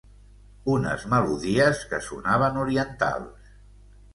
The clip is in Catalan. Unes melodies que sonaven orientals.